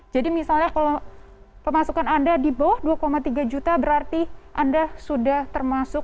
jadi misalnya kalau pemasukan anda di bawah dua tiga juta berarti anda sudah termasuk